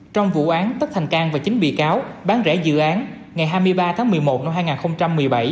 trong vụ án tất thành cang và chín bị cáo bán rẻ dự án ngày hai mươi ba tháng một mươi một năm hai nghìn một mươi bảy